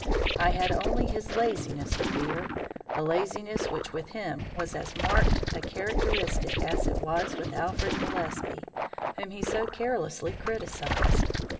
I had only his laziness to fear, a laziness which with him was as marked a characteristic as it was with Alfred Gillespie, whom he so carelessly criticised.